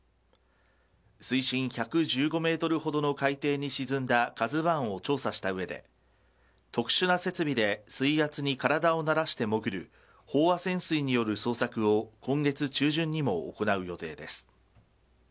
水深１１５メートルほどの海底に沈んだＫＡＺＵ１を調査した上で特殊な設備で水圧に体を慣らして潜る飽和潜水による捜索を今月中旬にも行う予定です。